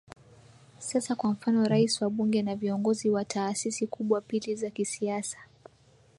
sasa kwa mfano Rais wa bunge na viongozi wa taasisi kubwa pili za kisiasa